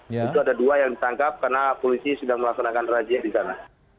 itu ada dua yang ditangkap karena polisi sudah melaksanakan rajia di sana